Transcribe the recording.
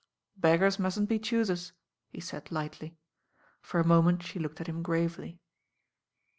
"Beggars mustn't be choosers," he said lightly. For a moment she looked at him gravely.